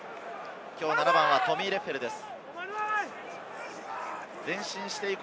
７番はトミー・レッフェルです。